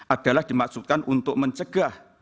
adalah dimaksudkan untuk mencegah